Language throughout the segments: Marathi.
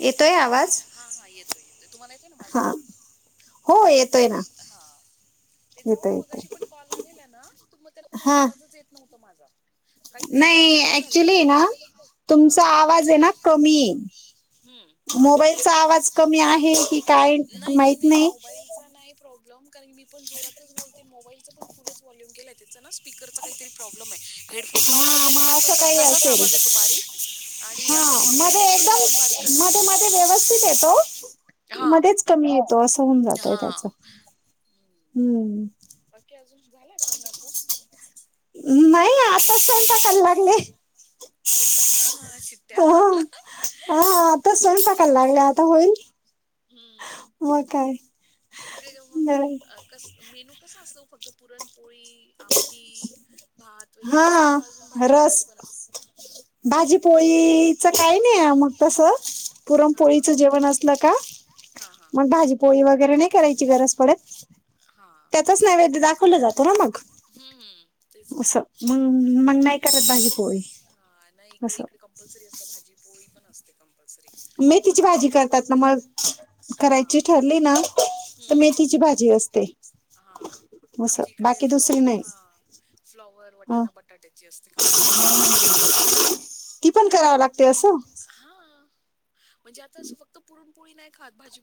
येतोय आवाज हा हा येतोय येतोय तुम्हाला येतंय ना माझा हा हो हम्म. येतोय ना हा ते जाऊ येतोय मगाशी येतोय पण कॉल आलेला ना, तर मग त्या कोणाला हा आवाजच येत नव्हता माझा. काहीतरी नाही प्रॉब्लेमच झालेला ऍक्च्युली ना, हा तुमचा आवाज आहे ना कमी ये. हम्म मोबाईलचा आवाज कमी आहे की, काय नाही नाही माहित नाही मोबाईलचा नाही प्रॉब्लेम. कारण मी पण जोरातच बोलते मोबाईलचं पण फुलच वॉल्यूम केलं आहे त्याचं ना स्पीकरचा काहीतरी प्रॉब्लेम ये. हेडफोन हा लावला तरी, पण मग असं तसा काही तसाच असेल आवाज येतो बारीक. आणि हा असं नॉर्मली मध्ये बोललो तरी पण एकदम बारीकच. मध्ये मध्ये व्यवस्थित येतो. हा मध्येच कमी येतो असं होऊन जातंय हा त्याचं. हम्म. हम्म बाकी अजून झालंय कोणाचं, नाही आत्ताच स्वयंपाकाला लागले. हो का हा हा शिट्ट्या हो हा आता स्वयंपाक. काला लागले आता होईल. हम्म.. मग काय तिकडे काय बरं. मग कसं मेनू, कसं असतो. फक्त पुरणपोळी आमटी, भात वगैरे असं का हा अजून रस भाजीपोळी पण अस हम्म भाजीपोळीचं काय, नाही हा मग तसं, हा हा पुरणपोळीच जेवण असलं का हा हा मग भाजीपोळी वेग वगैरे नाही करायची गरज पडत. हा त्याचाच नैवेद्य दाखवला जातो ना मग हम्म हम्म तेच ना. हम्म मग नाही करत भाजी पोळी. हा नाही इकडे इकड कंपल्सरी असतं भाजी पोळी पण असते. कंपल्सरी वर, मेथीची भाजी करतात ना मग हा करायची ठरली ना, तर हम्म मेथीची भाजी असते. हा असं आमच्या इकडे बाकी दुसरी फ्लॉवर, नाही हा फ्लॉवर, हं. वटाणा, बटाट्याची असते कंपल्सरी. ती पण करावं लागते असं, हा.. म्हणजे आता असं, फक्त पुरणपोळी नाही खात भाजी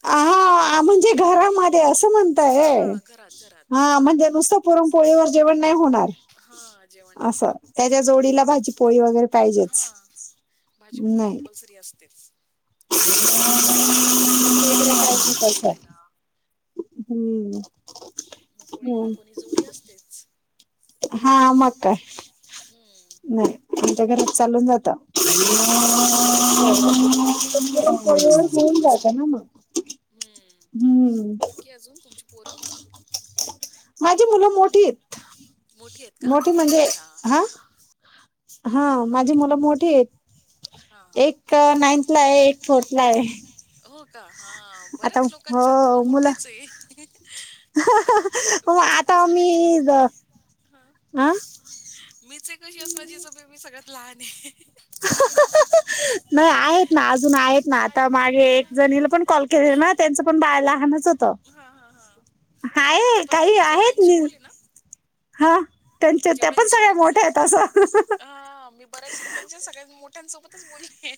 तेच. हा म्हणजे घरामध्ये असं म्हणताय होय, हा घरात घरात हा म्हणजे नुसतं पुरण पोळीवर जेवण नाही होणार, हा जेवण नाही असं होत त्याच्या जोडीला भाजी पोळी वगैरे पाहिजेच. भाजीपोळी नाही. कंपल्सरी असतेच. त्यात मग अजून काही सनवार असला का मग जूकूम असतो जेवायला. हम्म.. मग कोणी ना, कोणी जोडी असतेच. हा मग काय, हम्म नाही आमच्या घरात चालून जातं. हा नाही इकडे कसं मग [unintelligible] असतच होऊन जात कंपल्सरी ना मग, हम्म.. हम्म बाकी अजून तुमची पोरं, माझी मुलं मोठी येत. मोठी आहेत का, अच्छा हा हा माझी मुलं मोठी आहेत. हा हा एक काय नाईंथला आहे एक फोर्थला ये. हो का.. हा बऱ्याच लोकांच्यात मोठेच आहे. मगं मीच एक आता मी, असायची हा ह मीच एक अशी असणार जिचं बेबी सगळ्यात लहान आहे. नाही आहेत ना आज अजून आहेत ना, आता मागे एक जणीला पण कॉल केलेला ना त्यांच पण बाळ लहानचं. हा हा हा नाही आतापर्यंत काही मी आहेत जेवढयांशी नि बोलली ना, हा त्यांच्या त्या पण जेवढयांशी सगळ्या मी मोठ्या बोली. आहेत असं हा... मी बऱ्याच लोकांच्या सगळ्यात मोठ सोबतच बोलली.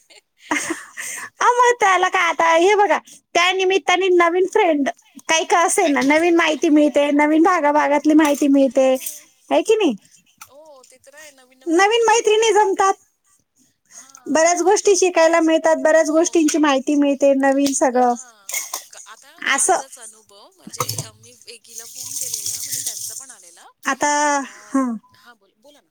अहो मग त्याला काय आता हे बघा त्या निमित्ताने नवीन फ्रेंड काही का असेना नवीन ऐक- माहिती हो मिळते नवीन भागाभागातली माहिती मिळते हम्म. आहे कि नाही हो ते तर आहे नवीन नवीन गोष्टी शिकायला मैत्रिणी पण जमतात मिळतात हा बऱ्याच अ, गोष्टी शिकायला मिळतात बऱ्याच हो गोष्टींची माहिती मिळते नवीन सगळं हा क- आता असं कालचाच अनुभव म्हणजे मी एकीला फोन केलेला म्हणजे त्यांचा पण आ आता हा मग हा बोल बोला ना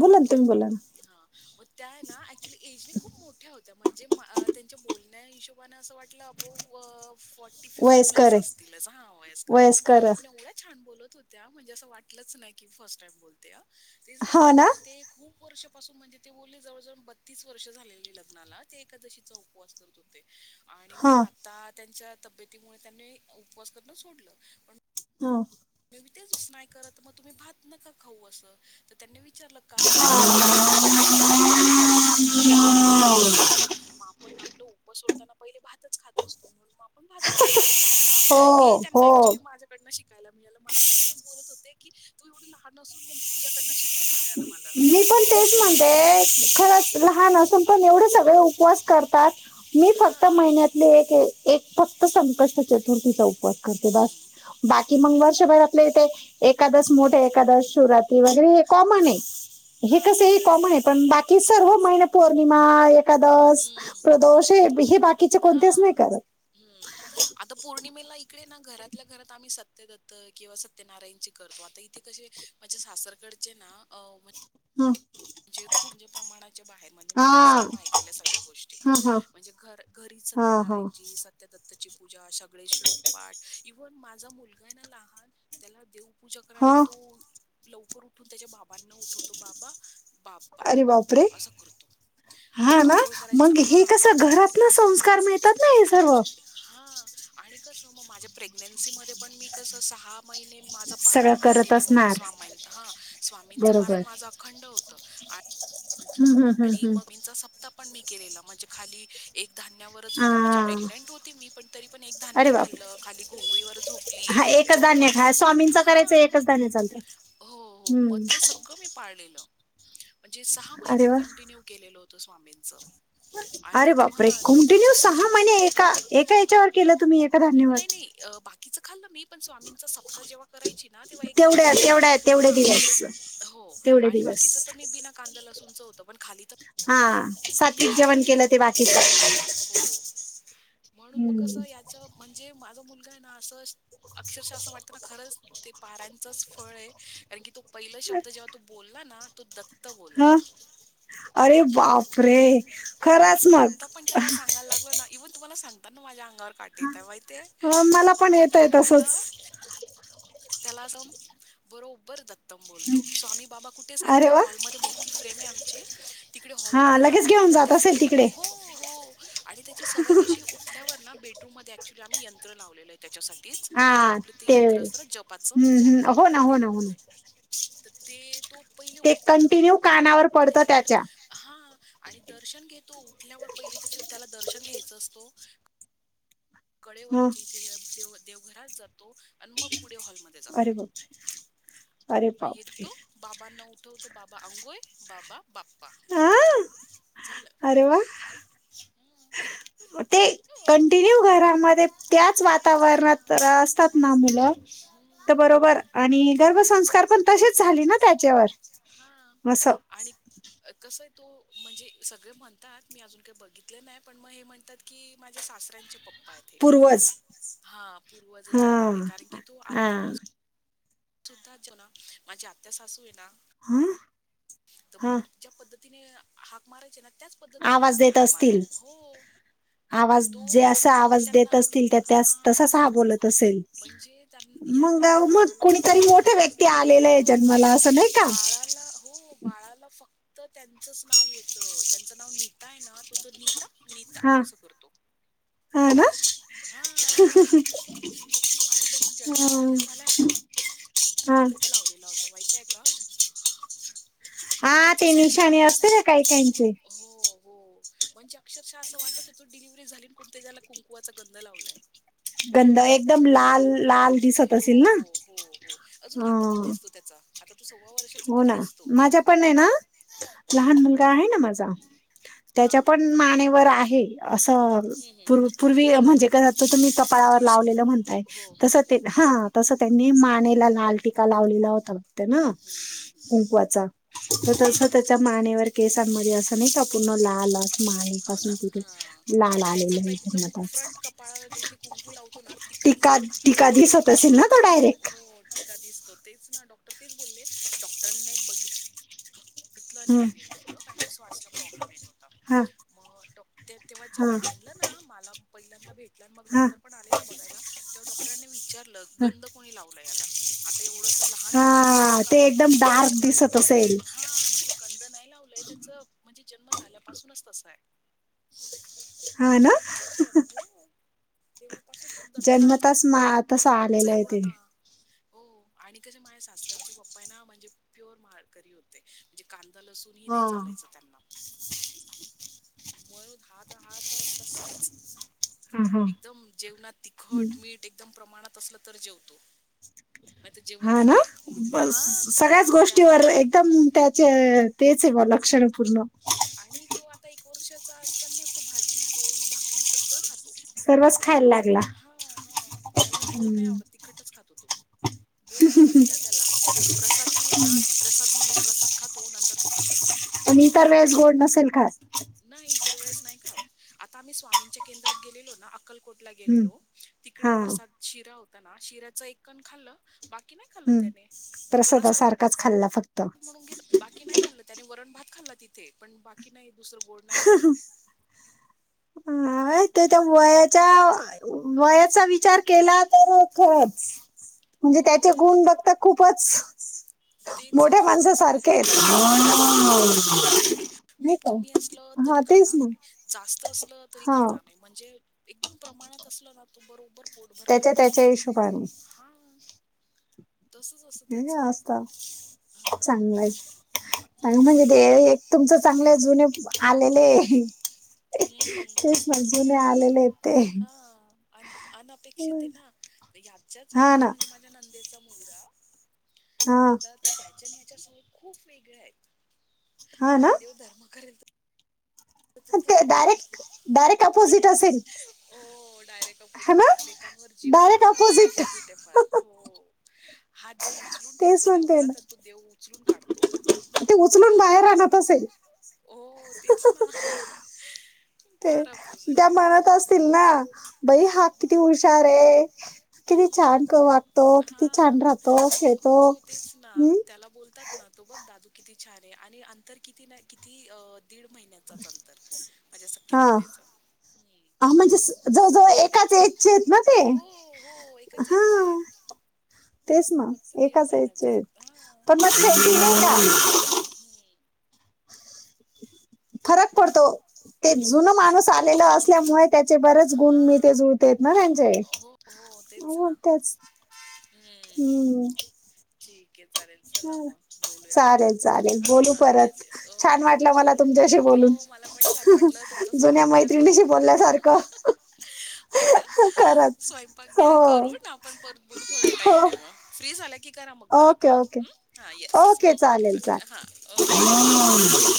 बोला ना तुम्ही बोला ना हां. मग त्या ना ऍक्च्युली एजने खूप मोठ्या होत म्हणजे त्यांच्या बोलण्या हिशोबाने असं वाटलं अब्वो फोर्टी फिफ्टी वयस्कर प्लस आहे असतील [unintelligible] हा वयस्कर होते पण एवढ्या छान बोलत होत्या म्हणजे असं वाटलच नाही की फर्स्ट टाइम बोलते आहे ते झालं हो मग ना ते आता खूप वर्ष म्हणजे ते बोलले जवळजवळ बतीस वर्ष झालेले लग्नाला ते एकादशीचा उपवास करत होते आणि हा मग आता त्यांच्या तब्येतीमुळे त्यांनी उपवास करण सोडलं पण हा [unintelligible] नाही करत मग तुम्ही भात नका खाऊ अस तर त्यांनी विचार का म्हटलं एकादशीला तर शक्यतो त भात खात नाही कारण की भात पूर्ण अन्न असतो मग आपण उपवास सोडताना पहिले भातच खात असतो म्हणून मग आपण भात [unintelligible] [inaudible] हो ए त्यांना हो अक्चुअली माझ्याकडं शिकायला मिळालं मला ते तेच बोलत होते की तू एवढी लहान असून म्हणजे तु्याकडनं शिकायला मिळालं मला मी पण तेच म्हणतेय खरंच लहान असून पण एवढे सगळे उपवास करतात मी फक्त हा महिन्यातले एक एक फक्त संकष्ट चतुर्थीचा उपवास करते बस हम्म बा कि मग वर्षभरातले इथे एकादस मोठे एकादस शिवरात्र वगैरे हे हा कॉमन आहे हे हा कसे ते हे तर कॉमन आहे पण बाकी सर्व महिने पौर्णिमा एकादश हम्म प्रदोष हे हे बाकीचे कोणतेच हा नाही करत [unintelligible] मला इकडे ना घरातल्या घरात आम्ही सत्य दत्त किंवा सत्यनारायणची करतो आता इथे कशे माझे सासरकडचे ना अं हं. म्हणजे खूप प्रमाणाच्या बाहेर म्हणजे मी फर्स्ट हा टाईम ऐकलेल्या सगळ्या गोष्टी हा हा म्हणजे घर घरी हा हा सत्यनारायण ची सत्य दत्त पूजा सगळे श्लोक पाठ इव्हन माझा मुलगा हे ना लहान त्याला [unintelligible] पूजा करायला हा तो लवकर उठून त्याच्या बाबांना उठवतो बाबा बाप्पा अरे बापरे बाप्पा असं करतो हा ना आंघोळ करायच मग हा हे [inaudible] कसं घरात ना संस्कार मिळतात ना हे सर्व अक्युअलि हा आणि आणि कसं मग माझ्या प्रेग्नेंसीमध्ये पण मी कसं सहा महिने माझं सगळं पारायण करत कंटिन्यू होत असणार स [unintelligible] हा स्वामींचं बरोबर पारण माझं अखंड होत आ हम्म हम्म हम्म आणि हम्म. मग [unintelligible] सप्ता पण मी केलेला म्हणजे खाली एक धान्यावरच होती म्हणजे हा प्रेग्नेंट होती मी पण तरी पण एक धान्य अरे बाप खाल्लं खाली घोंगळीवर झोपली हा एकच धान्य चप्पल खा नाही पाळत स्वामींचं हा करायचं एकच धान्य चालत हो हो मग ते सगळं मी पाळलेलं म्हणजे सहा महिने अरे वा मी [unintelligible] [inaudible] होत स्वामींच आणि अरे त्यात बापरे [unintelligible] कंटिन्यू त्याची सहा महिने एका एका हो याच्यावर केलं तुम्ही एका धान्यावर नाही नाही बाकीच खाल् मी पण जेव्हा स्वामींचा सप्ता जेव्हा करायची तेव्हा एक धान्य तेवढ्या होत तेवढ्या तेवढे हा दिवस हो तेवढे आणि दिवस बाकीच त मी बिना कां लसूनच होत पण खाली तर हा मी सात्विक आहे जेवण केलं ते बाकीच [unintelligible] हो हो म्हणून मग कसं याच म्हणजे माझ मुल अस अक्षरश अस वाटत ना खरच ते पारायणच फळ आहे कारण की तो पहिला शब्द जेव्हा तू बोलला ना तो दत् हा अरे बापरे खरच मग [unintelligible] इव्हन तुम्हाला सांगतात ना माझ्या अंगावर काटे येत माहिती ये अ, मला पण येत म्हणजे आहे तो त्याला तसंच त्याला बरोबर दत्तम बोलतो मी बाबा कुठे अरे सांगितलं वा हॉलमध्येध्ये मोठी फ्रेम आहे आमची. तिकडे हा हॉलमध्येध्ये लगेच जातो घेऊन आणि ते जात असेल फ्रेम ला तिकडे हो हो आणि त्याची सवय कशी उठल्यावर ना बेडरूम मध्ये अऍक्च्युली आम्ही यंत्र लावलेलो आहे त्याच्यासाठी तच हा आपली ते यंत्र असत. जपाच हम्म हम्म हो ना ते हो ना हो ना लावलंय तर ते तो पहिले ते उठतो कंटिन्यू कानावर पडतं त्याची दर त्याच्या. हा आणि दर्शन घेतो उठल्यावर पहिली त्याच्या त्याला दर्शन घ्यायचं असतो. कळे व ह इथे देवघरात जातो अन् म पुढे हॉल म जातो अरे बाप अरे बापरे येतो बाबांना उठवतो. बा अंगोय बाबा- बाप्पा हा झालं. अरे वा ते हो कंटिन्यू बाबू. घरामध्ये त्याच हा वातावरणात असतात ना मुलं हम्म. तर बरोबर आणि गर्भसंस्कार पण तसेच. झाले ना हो त्याच्यावर हा असं आणि कस आहे तो- म्हणजे सगळे म्हणतात मी अजून काही बघितलं नाही पण मग हे म्हणतात की माझ्या सासऱ्यांचे पप्पा पूर्वज हा पूर्वज हा आलेले कारण की तो हा आता सुद्धा जेवणा माझी आत्या सासू आहे ना? हा हा तने हाक मारायचे ना त्याच पद्धतीने आवाज आपण देत हाक मारतो, असतील हो. आवाज तो जे अस तो आवाज त्यांना देत असतील त्या त्या हा तसाच हा बोलत असेल. म्हणजे त्यां- याला मंगा मग बाळाला कोणीतरी. व्यक्ती आलेला आहे हो जन्माला असं नाही का? त्यांचच नाव येत त्यांचं नाव नीता आहे ना तो तर नीता नीता हा असं करतो. हा ना हा हम् आणि तस जन्म झाला झाला. ना हा तर ते लावलेला होता माहितय का? म्हणजे हा ते जसा निशाणी झाला ना असते काही काहींचे हो हो. म्हणजे अक्षरशः असं वाटत होतो डिलिव्हरी झाली कोणत त्याला कुंकुवाचा गंध लावलाय. गंध एकदम लाल लाल दिसत हो असेल ना? हो हो हो अजून आता पण हा दिसतो त्याचा. आता तो सव्वा वर्षाचा हो तरी ना दिसतो माझ्या पण नाही ना हा लहान मुलगा आहे ना? माझा हा त्याच्या पण मानेवर आहे. असू हम्म, हम्म, हम्म. पूर्वी म्हणजे क त तुम्ही कपाळावर तुळशी लावलेलं म्हणताय हो तस हो ते. हो ह तस त्यांनी मानेला लाल टीकाा लावलेला होता ते ना. हम्म, हम्म, हम्म. कुंकवाचा तर हा तस त्याच्या मानेवर केस. म अस ना नाही संपूर्ण लाल अस माई हो ना पासून तिथे हा लाल याचा आलेले तर आहे एकदम जन्मताच. इकडेच आहे, डायरेक्ट टीका दिसतो तेच. क्र तेच बोलले डॉक्टरांनी बघित हम्म. ेलेलंत कारण की शवासला प्रॉब्लेम येत होता हा मग तेव्हा हा ज्याला- ना मला पहिल्यांदा भेट- मग हा डॉक्टर पण आले ना बघायला तेव्हा डॉक्टरांनी विचारलं हा गंंद कोणी लावलं याला आता एवढंच लहान बाळ गंध हा का ते लावलं एकदम म्हट डार्क गं दिसत असेल हा आप गंध नाही लावलंय त्याच म्हणजे जन्म झाल्यापासूनच तसा आहे. हा ना ते जन्म तास मा तस आलेला हाय एवढं ते. का हो आणि कस माझ्या सासऱ्यांचे पप्पा ना म्हणजे प्युअर माळकरी होते, म्हणजे - - लसून ह हा नाही चालायचं त्यांना. म्हणून हात हात तसाच. हा हा एकदम जेवणात तिखट, मीठ एकदम प्रमाणात असलं तर जेवतो. ह. नाही तर हा जेवतही ना. नाही हा बसं सगळ्याच त्या गोष्टीवर एकदम त्याचे तेचहे बल हो क्षण पूर्ण - - आणि तू आता एक वर्षाचा असताना तू भाजी पोळी भाकरी सगळं खातो. सर्वच खायला लागला. हा हा त्याला गोड नाही हम्म. आवडत तिखटच खातो तो गोड जर दिला त्याला प्रसाद दिला ना प्रसाद म्हणून प्रसाद खातो. नंतरच खातच नाही. लएच गोड नसेल. खात दर वेळेस नाही खात. आता आम्ही स्वामींच्या केंद्रात गेलेलो ना आक अक्कलकोटला हम्म. गेलेलो तिकडे हा प्रसाद शिरा होता ना. शिऱ्याच एक कण खाल्लं - - हम्म. तर सदा सारखाच खाल्ला. फक्त म्हणून घेत बाकी नाही खाल्लं. त्यानी वरण भात खाल्ला तिथे. पण बाकी नाही. दुसरं गोड नाही घेतलं. हा तर त्या वयाच्या वयाचा वि चार केला तर खच म्हणजे हो त्याचे गुण बघता खूपच - - तेच ना सगळे आहेत मो खरंच मोठ्या माणसांसारखे नाही मीठ का कमी असलं त हा तेच खाणार ना नाही जास्त असलं तरी हा खाणार नाही म्हणजे - - एकदम प्रमाणात असलं ना तो बरोबर - - त्याच्या त्याच्या हिशोबाने. तस जसं त्याच- - चांगलंय तेच म्हणजे ते तुमच चांगलं जुने आलेले [unintelligible] हम्म तेच ना जुने आलेले आहेत ते हा. अ अनपेक्षित हे ना. ह्याच्याच हा ना वयाचा म्हणजे माझ्या नंदेचा मु हा आता त्याच्या नी याच्या सवपी खूप वेगळ्या आहेत. हा देव धर्म करेल - - तो फक्त ते साइट काढेल. डायरेक्ट डायरेक्ट अपोजिट असेल डायरेक्ट है अपोजिट ना हे एकमेकांवर जीव तर डायरेक्ट एवढा पण ऑपोजिट अपोजिट आहे फार. हो. हा देव उचलून तेच ठेवतो म्हणते देवघरात ना आणि तो देव उचलून काढतो. ते [unintelligible] असेल. हो. तेच ना. ते फार त्या अपोजिट आहे मनात हम्म. असतील ना भाई हा किती हुशारयं. किती छान हम्म. वागतो. किती हा छान राहतो. खेळतो. हो तेच ना हम् त्याला बोलतात ना तो बघ दादू छान आहे आणि तर किती किती दीड महि अंतर माझ्या हा सख्यानंदेचा - - चेतना ते. हो एकाच एजचे आहेत हं. तेच ना फक्त दीड एकाच साइजचे महिन्याचा आहेत आता पण [unintelligible] हम् फरक पडतो. ते जुन हो माणूस आलेला असल्यामुळे त्याचे बरेच हा गुण मी ते जुळते ना त्यांचे. हो हो तेच ना. हम्म. ओके चालेल. चला हा. मग बोलूया आपण चालेल नंतर चालेल हा बोलू हा येस येस ओके हो. बोलु. हो मला पण छान वाटलं तुमचं स्वयंपाक घ्या करून डा खरंच स्वयंपाक हो घ्या करून आपण परत बोलून थोडा हो टाइम देऊ फ्री झाला की करा मग मला ओके कॉल ओके ह येस चालेल चालेल ओके हा बाय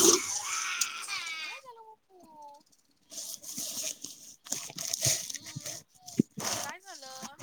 काय झालं